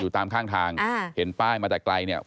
ตามข้างทางเห็นป้ายมาแต่ไกลเนี่ย